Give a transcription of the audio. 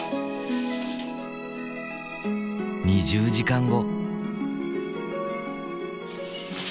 ２０時間後。